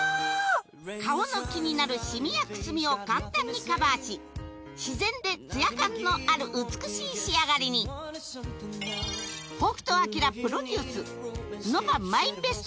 顔の気になるシミやくすみを簡単にカバーし自然でツヤ感のある美しい仕上がりに北斗晶プロデュースｎｏｐａ